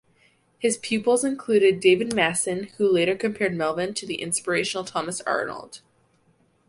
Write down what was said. His pupils included David Masson who later compared Melvin to the inspirational Thomas Arnold.